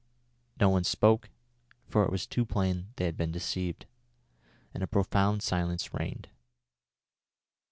No one spoke, for it was too plain they had been deceived, and a profound silence reigned.